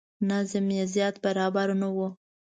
نظم یې زیات برابر نه و.